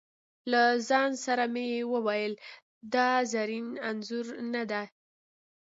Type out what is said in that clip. له ځانه سره مې وویل: دا زرین انځور نه دی.